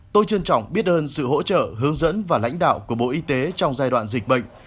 tôi trân trọng biết ơn sự hỗ trợ hướng dẫn và lãnh đạo của bộ y tế trong giai đoạn dịch bệnh